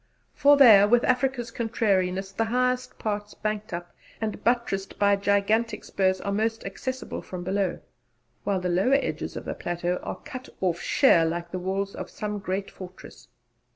For there, with Africa's contrariness, the highest parts banked up and buttressed by gigantic spurs are most accessible from below, while the lower edges of the plateau are cut off sheer like the walls of some great fortress.